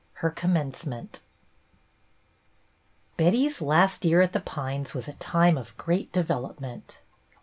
XX HER COMMENCEMENT B ETTY'S last year at The Pines was a time of great development.